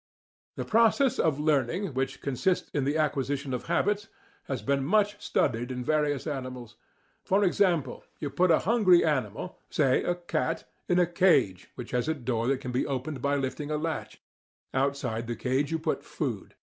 The process of learning, which consists in the acquisition of habits, has been much studied in various animals.* For example: you put a hungry animal, say a cat, in a cage which has a door that can be opened by lifting a latch; outside the cage you put food.